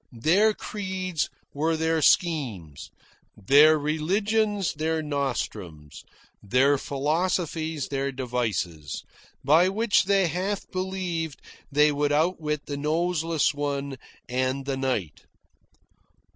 Their creeds were their schemes, their religions their nostrums, their philosophies their devices, by which they half believed they would outwit the Noseless One and the Night.